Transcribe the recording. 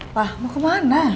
wah mau kemana